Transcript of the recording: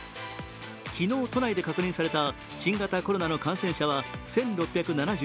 昨日、都内で確認された新型コロナの感染者は１６７３人。